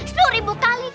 sembilan ribu kali kak